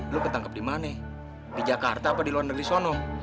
lo ketangkep dimana di jakarta apa di luar negeri sono